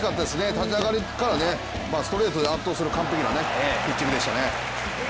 立ち上がりからストレートで圧倒する完璧なピッチングでしたね。